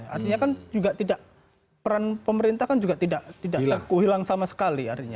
artinya kan juga tidak peran pemerintah kan juga tidak hilang sama sekali